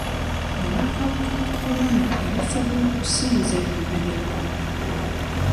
Olw'akawuka ka kolona, ebifo by'okusinza byonna by'aggalwa.